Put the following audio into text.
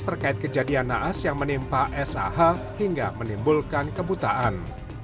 terkait kejadian naas yang menimpa sah hingga menimbulkan kebutaan